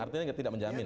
artinya nggak menjamin